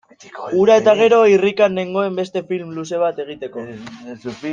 Hura eta gero irrikan nengoen beste film luze bat egiteko.